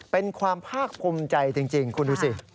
เป็นความภาคภูมิใจจริงคุณดูสิ